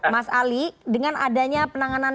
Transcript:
mas ali dengan adanya penanganan